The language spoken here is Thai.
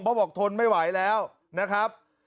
เพราะบอกทนไม่ไหวแล้วนะครับ